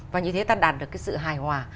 và như thế ta đạt được cái sự hài hòa